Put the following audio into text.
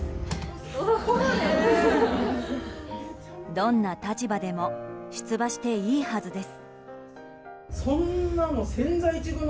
どんな立場でも出馬していいはずです。